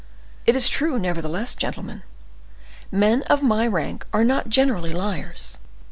"It is true, nevertheless, gentlemen. Men of my rank are not generally liars.